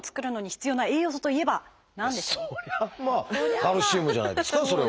そりゃまあカルシウムじゃないですかそれは。